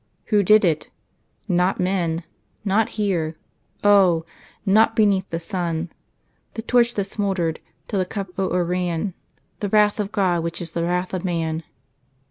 Who did it? Not men! Not here! Oh! not beneath the sun.... The torch that smouldered till the cup o'er ran The wrath of God which is the wrath of Man!